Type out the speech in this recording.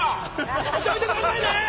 見といてくださいね！